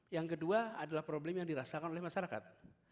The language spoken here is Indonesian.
yang kedua adalah problem yang dirasakan oleh masyarakat